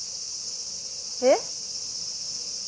えっ？